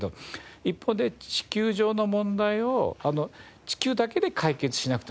一方で地球上の問題を地球だけで解決しなくてもいいんじゃないのと。